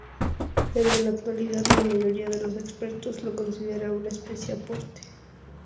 Pero en la actualidad la mayoría de los expertos lo consideran una especie aparte.